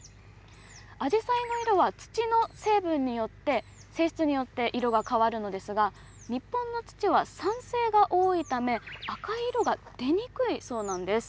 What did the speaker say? アジサイの色は土の成分によって、性質によって色が変わるのですが、日本の土は酸性が多いため、赤い色が出にくいそうなんです。